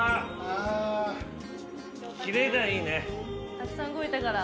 たくさん動いたから。